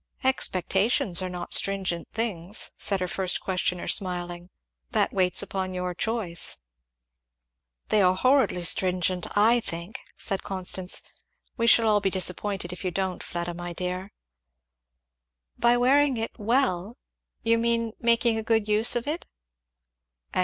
"Expectations are not stringent things," said her first questioner smiling. "That waits upon your choice." "They are horridly stringent, I think," said Constance. "We shall all be disappointed if you don't, Fleda my dear." "By wearing it 'well' you mean, making a good use of it?"